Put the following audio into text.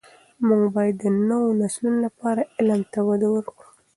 موږ باید د نوو نسلونو لپاره علم ته وده ورکړو.